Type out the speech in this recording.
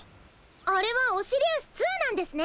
あれはオシリウス２なんですね！